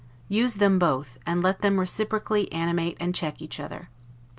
Use them both, and let them reciprocally animate and check each other.